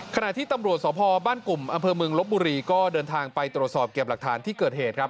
ขณะที่ตำรวจสพบ้านกลุ่มอำเภอเมืองลบบุรีก็เดินทางไปตรวจสอบเก็บหลักฐานที่เกิดเหตุครับ